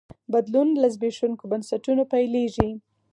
بدلون له زبېښونکو بنسټونو پیلېږي.